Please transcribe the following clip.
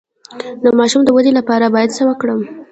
د ماشوم د ودې لپاره باید څه ورکړم؟